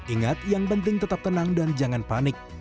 ingat yang penting tetap tenang dan jangan panik